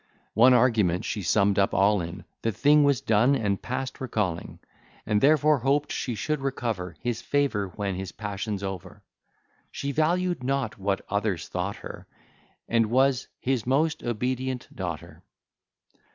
One argument she summ'd up all in, "The thing was done and past recalling; And therefore hoped she should recover His favour when his passion's over. She valued not what others thought her, And was his most obedient daughter."